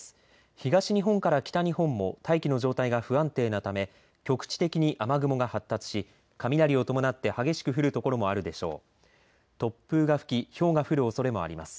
東日本から北日本も大気の状態が不安定なため局地的に雨雲が発達し雷を伴って激しく降る所もあるでしょう。